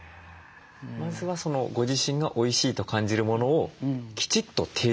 まずはご自身がおいしいと感じるものをきちっと提示するという。